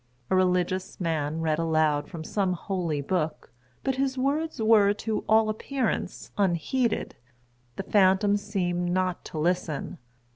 A religious man read aloud from some holy book; but his words were, to all appearance, unheeded. The phantom seemed not to listen.